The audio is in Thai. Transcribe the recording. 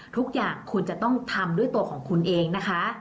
ทุกอย่างคุณจะต้องทำด้วยตัวของคุณเองนะคะ